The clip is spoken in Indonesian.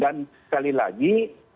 dan sekali lagi